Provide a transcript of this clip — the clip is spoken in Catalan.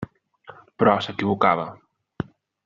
Però s'equivocava.